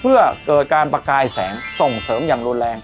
เพื่อเกิดการประกายแสงส่งเสริมอย่างรุนแรง